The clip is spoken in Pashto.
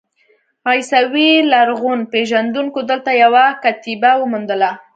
عیسوي لرغونپېژندونکو دلته یوه کتیبه وموندله.